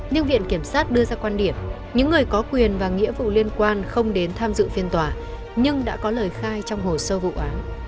nhưng viện kiểm sát đưa ra quan điểm những người có quyền và nghĩa vụ liên quan không đến tham dự phiên tòa nhưng đã có lời khai trong hồ sơ vụ án